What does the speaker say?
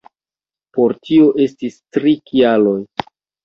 Por tio estis tri kialoj.